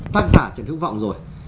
bác giả chẳng thức vọng rồi